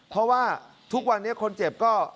เพราะว่าทุกวันนี้คนเจ็บก็